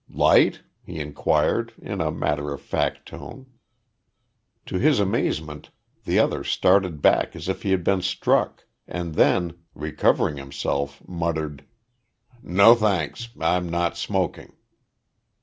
"Light?" he inquired, in a matter of fact tone. To his amazement, the other started back as if he had been struck, and then, recovering himself, muttered: "No, thanks. I'm not smoking."